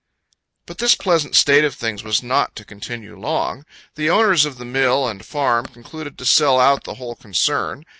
But this pleasant state of things was not to continue long. The owners of the mill and farm concluded to sell out the whole concern.